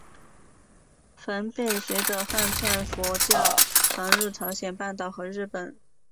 梵呗随着汉传佛教传入朝鲜半岛和日本。